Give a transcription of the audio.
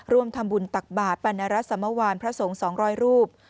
ร่วมทำบุญตักบาทปรณรัฐสมวานพระสงฆ์๒๐๐รูป